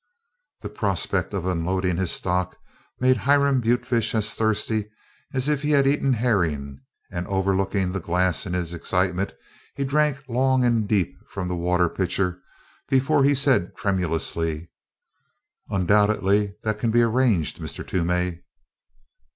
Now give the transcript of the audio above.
The prospect of unloading his stock made Hiram Butefish as thirsty as if he had eaten herring, and, overlooking the glass in his excitement, he drank long and deep from the water pitcher before he said tremulously: "Undoubtedly that can be arranged, Mr. Toomey."